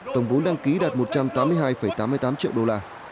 tổng vốn đăng ký đạt một trăm tám mươi hai tám mươi tám triệu đô la